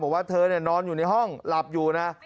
บอกว่าเธอนอนอยู่ในห้องหลับอยู่นะ